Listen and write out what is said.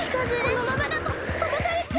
このままだととばされちゃう！